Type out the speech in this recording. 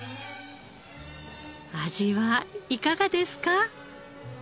味はいかがですか？